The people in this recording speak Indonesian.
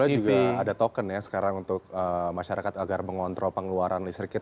juga ada token ya sekarang untuk masyarakat agar mengontrol pengeluaran listrik kita